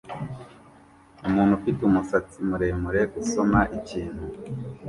Umuntu ufite umusatsi muremure usoma ikintu